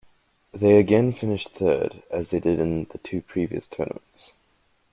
They again finished third, as they did in the two previous tournaments.